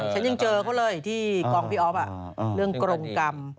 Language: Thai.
ฉันยังเจอเขาเลยที่กองพี่อ๊อฟเรื่องกรงกรรม